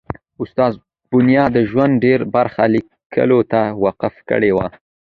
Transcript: استاد بینوا د ژوند ډېره برخه لیکلو ته وقف کړي وه.